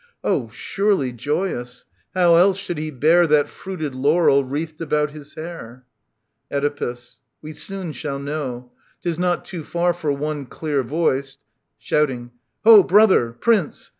Oh ! surely joyous ! How else should he bear That fruited laurel wreathed about his hair ? Oedipus. We soon shall know. — *Tis not too far for one Clear voiced. {Shouting) Ho, brother I Prince